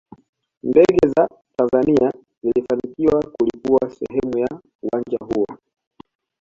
Ndege za Tanzania zilifanikiwa kulipua sehemu ya uwanja huo